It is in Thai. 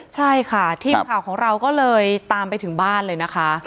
ใช่ค่ะทีมข่าวของเราก็เลยตามไปถึงบ้านเลยนะคะ